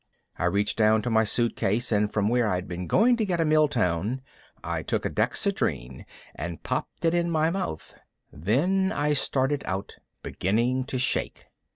I reached down to my suitcase and from where I'd been going to get a miltown I took a dexedrine and popped it in my mouth. Then I started out, beginning to shake.